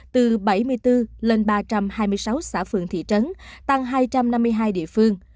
từ bảy mươi bốn lên ba trăm hai mươi sáu xã phường thị trấn tăng hai trăm năm mươi hai địa phương